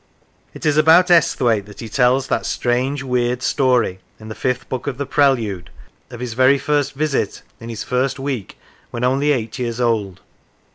It is about Esthwaite that he tells that strange, weird story (in the Fifth Book of the Prelude) of his very first visit, in his first week, when only eight years old.